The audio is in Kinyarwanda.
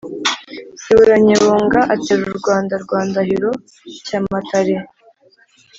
nsibura nyebunga atera u rwanda rwa ndahiro cyamatare,